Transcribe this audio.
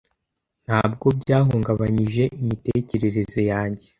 ntabwo byahungabanije imitekerereze yanjye